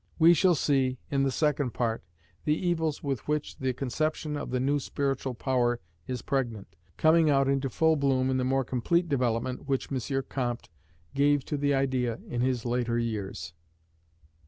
We shall see, in the Second Part, the evils with which the conception of the new Spiritual Power is pregnant, coming out into full bloom in the more complete development which M. Comte gave to the idea in his later years.